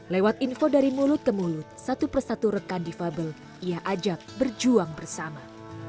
lewat info dari mulut ke mulut satu persatu rekan difabel ia ajak berjuang bersama